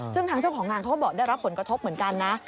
ซึ่งทางเจ้าของงานเขาก็บอกได้รับผลกระทบเหมือนกันนะ